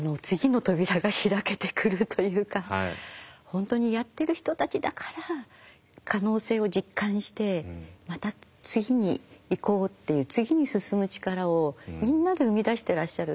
本当にやってる人たちだから可能性を実感してまた次に行こうっていう次に進む力をみんなで生み出していらっしゃる。